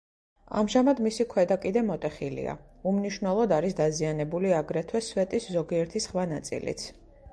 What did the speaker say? ამჟამად მისი ქვედა კიდე მოტეხილია; უმნიშვნელოდ არის დაზიანებული, აგრეთვე, სვეტის ზოგიერთი სხვა ნაწილიც.